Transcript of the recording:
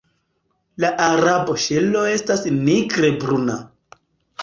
La arboŝelo estas nigre bruna.